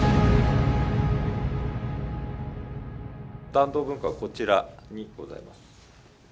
團藤文庫はこちらにございます。